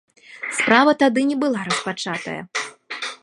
Справа тады не была распачатая.